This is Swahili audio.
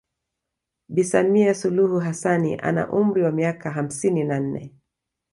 Bi Samia Suluhu Hassanni ana umri wa miaka hamsini na nne